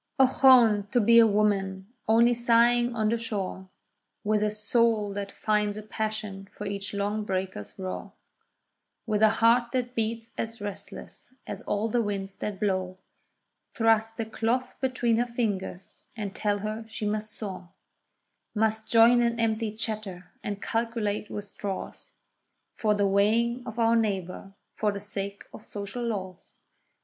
Ochone! to be a woman, only sighing on the shore— With a soul that finds a passion for each long breaker's roar, With a heart that beats as restless as all the winds that blow— Thrust a cloth between her fingers, and tell her she must sew; Must join in empty chatter, and calculate with straws— For the weighing of our neighbour—for the sake of social laws.